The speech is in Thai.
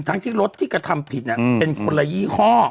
ทั้งที่รถที่กระทำผิดเป็นคนละยี่ห้อ